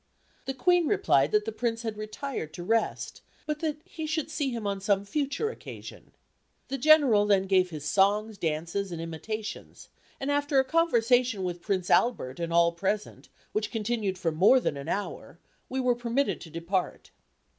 The Queen replied that the Prince had retired to rest, but that he should see him on some future occasion. The General then gave his songs, dances, and imitations, and after a conversation with Prince Albert and all present, which continued for more than an hour, we were permitted to depart.